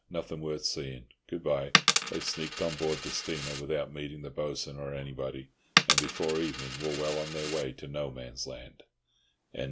Nothing worth seeing. Good bye." They sneaked on board the steamer without meeting the Bo'sun or anybody, and before evening were well on their way to No Man's Land.